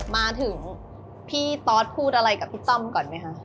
มาถึงพี่ตอสพูดอะไรกับพี่ต้อมก่อนไหมคะ